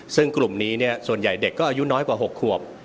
ซึ่งกลุ่มนี้ส่วนใหญ่เด็กก็อายุน้อยกว่า๖ขวบ